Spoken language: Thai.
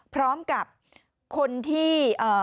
พร้อมกับคนที่